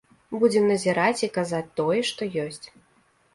Будзем назіраць і казаць тое, што ёсць.